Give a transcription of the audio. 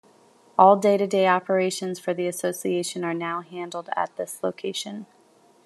All day-to-day operations for the Association are now handled at this location.